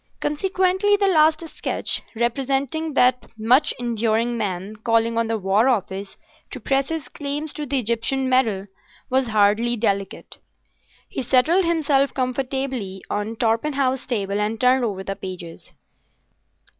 Consequently the last sketch, representing that much enduring man calling on the War Office to press his claims to the Egyptian medal, was hardly delicate. He settled himself comfortably on Torpenhow's table and turned over the pages.